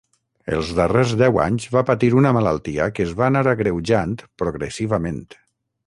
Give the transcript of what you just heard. Els darrers deu anys va patir una malaltia que es va anar agreujant progressivament.